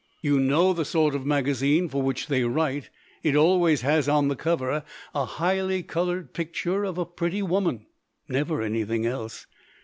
You know the sort of magazine for which they write it always has on the cover a highly colored picture of a pretty woman, never anything else.